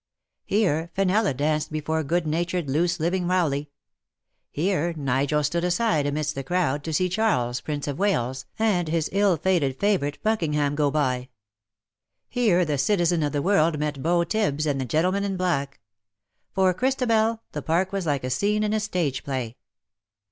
Here Fenella danced before good natured, loose living Kowley. Here Nigel stood aside, amidst the crowd, to see Charles, Prince of Wales, and his ill fated favourite, Buckingham, go by. Here the Citizen of the World met Beau Tibbs and the gentleman in black. For Christabel, the Park was like a scene in a stage play.